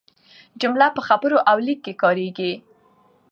جمله په خبرو او لیک کښي کاریږي.